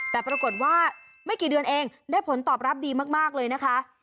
แต่ปรากฏว่าไม่กี่เดือนเองได้ผลตอบรับดีมากเลยนะคะ